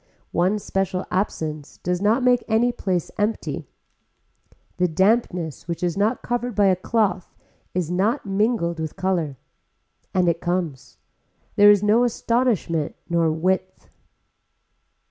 One special absence does not make any place empty. The dampness which is not covered by a cloth is not mingled with color. And it comes. There is no astonishment nor width.